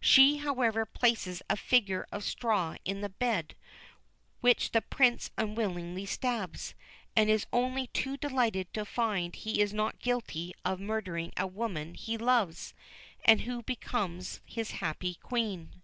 She, however, places a figure of straw in the bed, which the Prince unwillingly stabs, and is only too delighted to find he is not guilty of murdering a woman he loves, and who becomes his happy Queen.